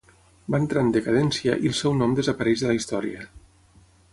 Va entrar en decadència i el seu nom desapareix de la història.